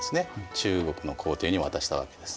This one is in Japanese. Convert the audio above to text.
中国の皇帝に渡したわけです。